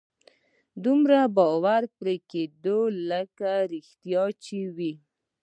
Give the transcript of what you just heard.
دومره باور به پرې پيدا کړي لکه رښتيا چې وي.